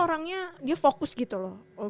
orangnya dia fokus gitu loh